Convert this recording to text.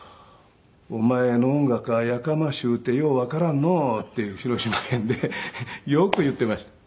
「お前の音楽はやかましゅうてようわからんのう」って広島弁でよく言っていました。